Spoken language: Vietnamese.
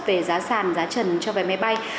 về giá sàn giá trần cho vé máy bay